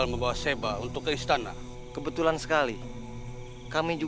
kita harus mencari jalan yang lebih jauh